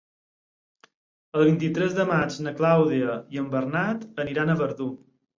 El vint-i-tres de maig na Clàudia i en Bernat aniran a Verdú.